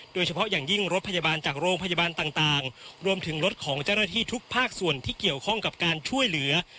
โดยเฉพาะอย่างยิ่งรถพยาบาลจากโรงพยาบาลต่างรวมถึงรถของเจ้าหน้าที่ทุกภาคส่วนที่เกี่ยวข้องกับการช่วยเหลือ